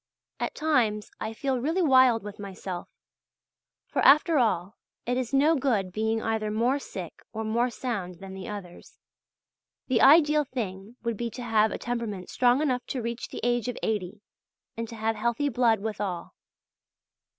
At times I feel really wild with myself; for, after all, it is no good being either more sick or more sound than the others; the ideal thing would be to have a temperament strong enough to reach the age of eighty and to have healthy blood withal.